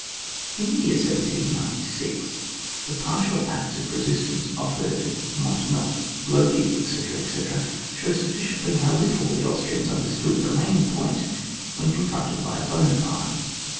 In the year 1796, the partial acts of resistance VOL. n. offered at Montenotte, Lodi, etc., etc., show sufficiently how little the Austrians understood the main point when con fronted by a Buonaparte.